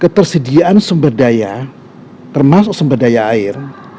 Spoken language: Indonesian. ketersediaan sumber daya termasuk sumber daya air